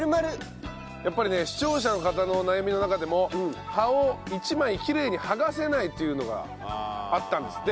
やっぱりね視聴者の方のお悩みの中でも葉を１枚きれいに剥がせないというのがあったんですって。